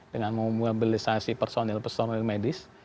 dengan memobilisasi personil personil medis